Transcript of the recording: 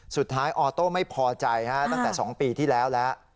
สุดท้ายออโต้ไม่พอใจฮะตั้งแต่สองปีที่แล้วแล้ว